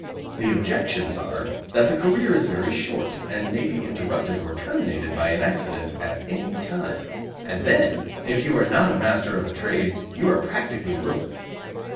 The objections are that the career is very short, and may be interrupted or terminated by an accident at any time, and then if you are not master of a trade you are practically ruined.